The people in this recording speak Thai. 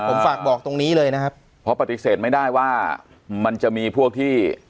ผมฝากบอกตรงนี้เลยนะครับเพราะปฏิเสธไม่ได้ว่ามันจะมีพวกที่